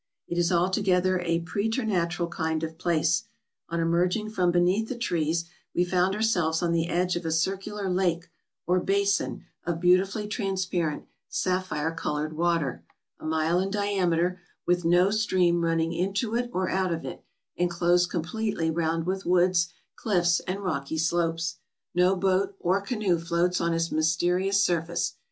It is altogether a preternatural kind of place ; on emerging from beneath the trees wre found ourselves on the edge of a circular lake or basin of beautifully transparent sapphire colored water, a mile in diameter, with no stream running into it or out of it, and closed completely round with woods, cliffs, and rocky slopes. No boat or canoe floats on its mysterious surface.